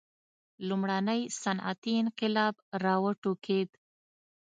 لومړنی صنعتي انقلاب را وټوکېد.